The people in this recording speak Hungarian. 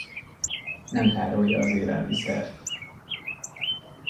Nem tárolja az élelmiszert.